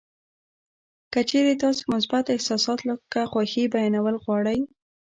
که چېرې تاسې مثبت احساسات لکه خوښي بیانول غواړئ